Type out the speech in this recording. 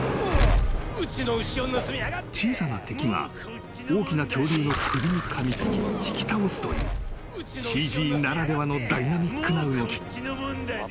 ［小さな敵が大きな恐竜の首にかみつき引き倒すというＣＧならではのダイナミックな動き］